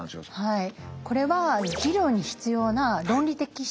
はい。